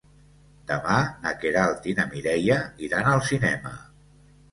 Demà na Queralt i na Mireia iran al cinema.